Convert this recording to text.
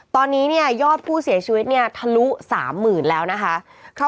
ตอนนี้เนี่ยยอดผู้เสียชีวิตเนี่ยทะลุ๓๐๐๐แล้วนะคะ